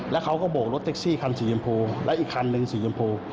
แล้วเขาก็โบกรถแท็กซี่คันสีชมพูแล้วอีกคันหนึ่งสีชมพู